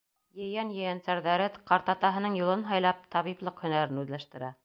Ейән-ейәнсәрҙәре ҡартатаһының юлын һайлап, табиплыҡ һөнәрен үҙләштерә.